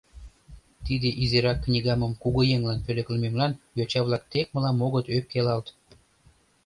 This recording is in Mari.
Тиде изирак книгамым кугыеҥлан пӧлеклымемлан йоча-влак тек мылам огыт ӧпкелалт.